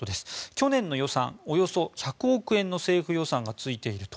去年の予算、およそ１００億円の政府予算がついていると。